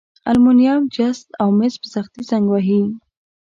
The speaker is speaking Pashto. المونیم، جست او مس په سختي زنګ وهي.